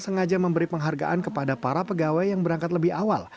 sengaja memberi penghargaan kepada para pegawai yang berangkat lebih awal